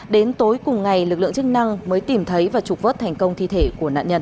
đến tối cùng ngày lực lượng chức năng mới tìm thấy và trục vớt thành công thi thể của nạn nhân